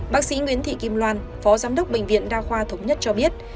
bác sĩ nguyễn thị kim loan phó giám đốc bệnh viện đa khoa thống nhất cho biết